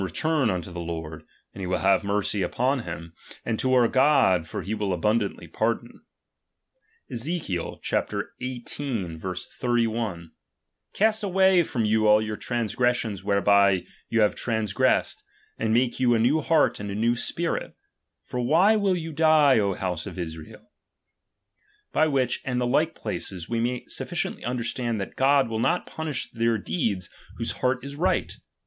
kirn return unto the Lord, and he will have mercy ''' upon him ; and to our God, for he will abundantly pardon. Ezek. xviii. 3 1 : Cast away from you all your transgressions whereby you have trans gressed, and make you a new heart and a new spirit ; for why will you die, O House of Israel 9 By which, and the like places, we may sufficiently understand that God will not punish their deeds whose heart is right.